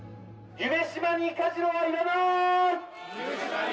夢洲にカジノはいらない！